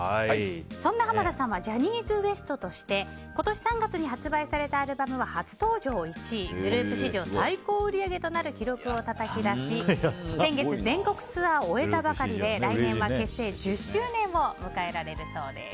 そんな濱田さんはジャニーズＷＥＳＴとして今年３月に発売されたアルバムは初登場１位グループ史上最高売り上げとなる記録をたたき出し先月、全国ツアーを終えたばかりで来年は結成１０周年を迎えられるそうです。